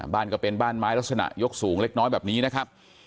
บ้านก็เป็นบ้านไม้ลักษณะยกสูงเล็กน้อยแบบนี้นะครับ